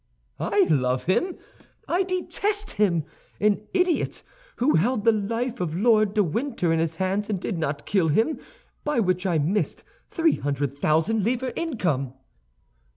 "I love him? I detest him! An idiot, who held the life of Lord de Winter in his hands and did not kill him, by which I missed three hundred thousand livres' income."